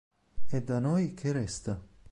Ed a noi che resta?